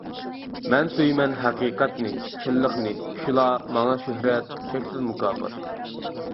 مەن سۆيىمەن ھەقىقەتنى، چىنلىقنى، شۇلا ماڭا شۆھرەت، چەكسىز مۇكاپات.